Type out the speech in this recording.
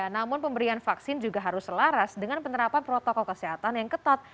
namun pemberian vaksin juga harus selaras dengan penerapan protokol kesehatan yang ketat